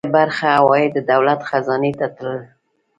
لویه برخه عواید د دولت خزانې ته تلل.